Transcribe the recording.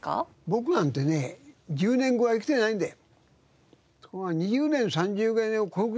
僕なんてね１０年後は生きてないんで。